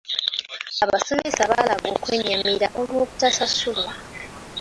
Abasomesa baalaga okwennyamira olw'obutasasulwa.